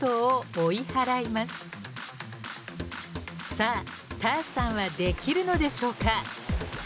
さあＴａｒさんはできるのでしょうか？